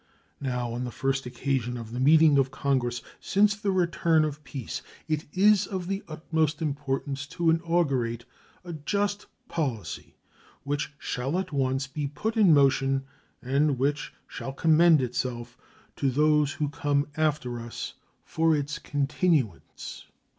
Now, on the first occasion of the meeting of Congress since the return of peace, it is of the utmost importance to inaugurate a just policy, which shall at once be put in motion, and which shall commend itself to those who come after us for its continuance.